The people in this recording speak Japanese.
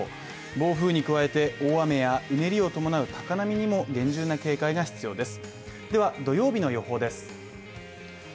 暴風に加えて大雨やうねりを伴う高波にも厳重な警戒が必要です。